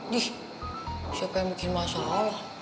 gif siapa yang bikin masalah